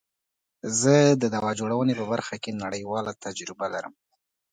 زه د دوا جوړونی په برخه کی نړیواله تجربه لرم.